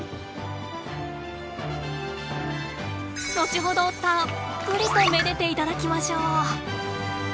後ほどたっぷりとめでていただきましょう。